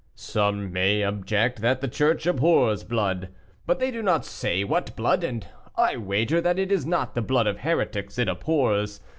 "Some may object that the church abhors blood. But they do not say what blood, and I wager that it is not the blood of heretics it abhors.